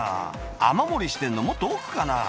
「雨漏りしてんのもっと奥かな？」